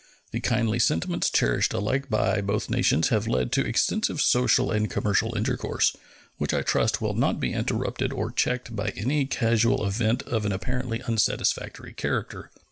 The kindly sentiments cherished alike by both nations have led to extensive social and commercial intercourse, which I trust will not be interrupted or checked by any casual event of an apparently unsatisfactory character.